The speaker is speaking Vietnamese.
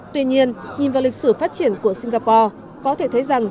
tuy nhiên nhìn vào lịch sử phát triển của singapore